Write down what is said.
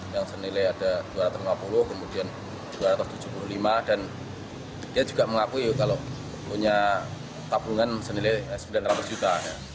yang senilai ada dua ratus lima puluh kemudian dua ratus tujuh puluh lima dan dia juga mengakui kalau punya tabungan senilai sembilan ratus juta